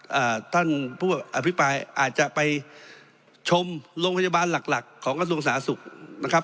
อ่าท่านผู้อภิปรายอาจจะไปชมโรงพยาบาลหลักหลักของกระทรวงสาธารณสุขนะครับ